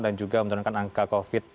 dan juga menurunkan angka covid